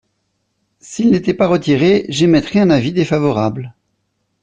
S’ils n’étaient pas retirés, j’émettrais un avis défavorable.